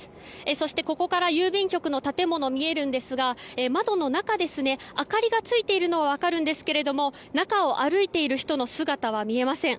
そして、ここから郵便局の建物見えるんですが窓の中、明かりがついているのは分かるんですけども中を歩いている人の姿は見えません。